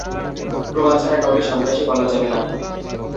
প্রমাণ ছাড়া কাউকে সন্ত্রাসী বলা যাবে না।